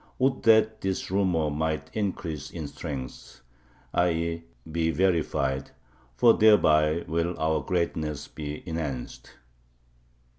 Would that this rumor might increase in strength [i. e. be verified], for thereby will our greatness be enhanced!